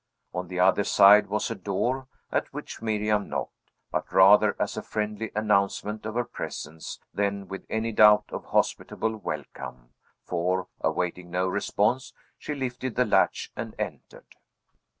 On the other side was a door, at which Miriam knocked, but rather as a friendly announcement of her presence than with any doubt of hospitable welcome; for, awaiting no response, she lifted the latch and entered.